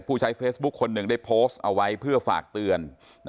ผู้ใช้เฟซบุ๊คคนหนึ่งได้โพสต์เอาไว้เพื่อฝากเตือน